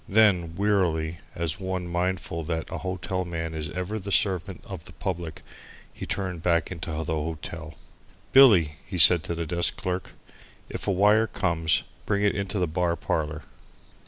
Then wearily, and as one mindful that a hotel man is ever the servant of the public, he turned back into the hotel. "Billy," he said to the desk clerk, "if a wire comes bring it into the bar parlour."